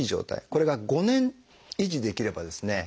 これが５年維持できればですね